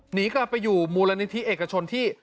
หนีกลับไปอยู่มูลนิธิเอกชนที่